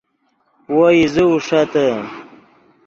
وو ایزے اوݰتے